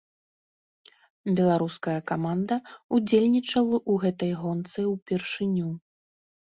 Беларуская каманда ўдзельнічала ў гэтай гонцы ўпершыню.